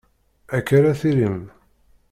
Akka ara tillim.